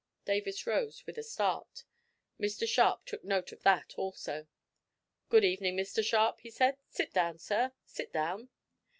Davis rose with a start. Mr Sharp took note of that also. "Good evening, Mr Sharp," he said; "sit down, sir; sit down."